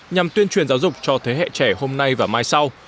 nhằm tuyên truyền giáo dục cho thế hệ trẻ hôm nay và mai sau